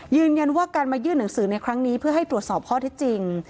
ยืนยันว่าการมายื่นหนังสือในครั้งนี้เพื่อให้ตรวจสอบข้อที่จริง